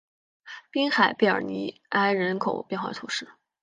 滨海贝尔尼埃人口变化图示